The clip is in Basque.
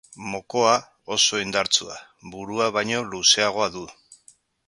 Mokoa, oso indartsua, burua baino luzeagoa du.